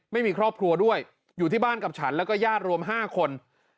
ไม่มีครอบครัวด้วยอยู่ที่บ้านกับฉันแล้วก็ญาติรวม๕คน